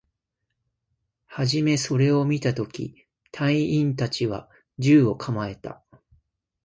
はじめそれを見たとき、隊員達は銃を構えた